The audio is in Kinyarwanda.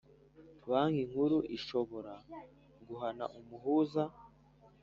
banki nkuru ishobora guhana umuhuza